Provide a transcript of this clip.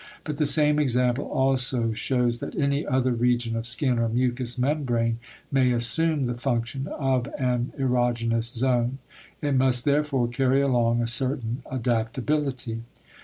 But the same example also shows that any other region of skin or mucous membrane may assume the function of an erogenous zone; it must therefore carry along a certain adaptability.